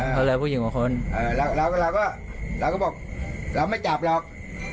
ก็เลยผู้หญิงกว่าคนแล้วเราก็เราก็บอกเราไม่จับหรอก